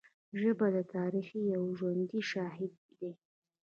ژبه د تاریخ یو ژوندی شاهد دی